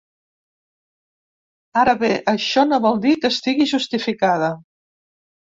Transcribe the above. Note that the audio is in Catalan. Ara bé, això no vol dir que estigui justificada.